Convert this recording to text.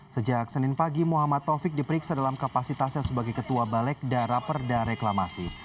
sejak senin pagi muhammad taufik diperiksa dalam kapasitasnya sebagai ketua balekda raperda reklamasi